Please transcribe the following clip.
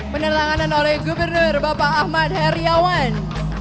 penerangan oleh gubernur bapak ahmad heriawan